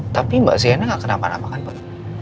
tapi mbak sienna gak kenapa napakan pak